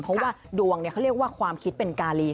เพราะว่าดวงเขาเรียกว่าความคิดเป็นกาลี